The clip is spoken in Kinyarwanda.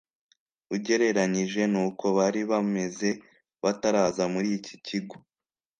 ugereranyije n’uko bari bameze bataraza muri iki kigo